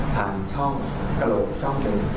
ผ่านช่องกระโรคช่องเกิ้น